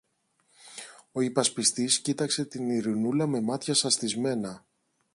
Ο υπασπιστής κοίταξε την Ειρηνούλα με μάτια σαστισμένα.